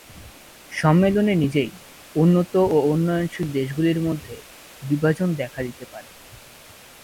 সম্মেলনে নিজেই, উন্নত ও উন্নয়নশীল দেশগুলির মধ্যে বিভাজন দেখা দিতে শুরু করে।